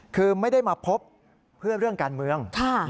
คือไม่ได้มาพบเพื่อเรื่องการเมือง